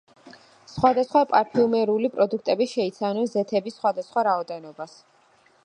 სხვადასხვა პარფიუმერული პროდუქტები შეიცავენ ზეთების სხვადასხვა რაოდენობას.